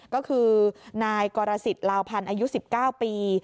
ก็คือนายกรสิทธิลาวพันธ์อายุ๑๙ปี